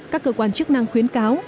các cơ quan chức năng khuyến cáo